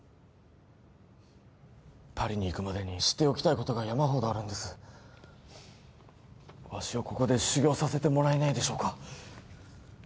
パリに行くまでに知っておきたいことが山ほどあるんですわしをここで修業させてもらえないでしょうか？